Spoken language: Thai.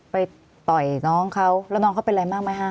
ไปต่อยน้องเขาแล้วน้องเขาเป็นอะไรมากไหมฮะ